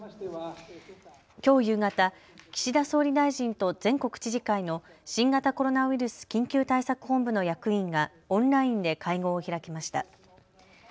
きょう夕方、岸田総理大臣と全国知事会の新型コロナウイルス緊急対策本部の役員がオンラインで会合を開きました。